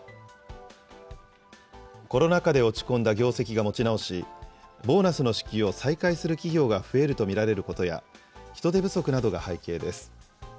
コロナ禍で落ち込んだ業績が持ち直し、ボーナスの支給を再開する企業が増えると見られることや、人手不足などが背景です。